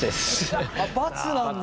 あっ「×」なんだ。